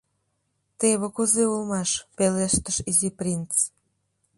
— Теве кузе улмаш… — пелештыш Изи принц.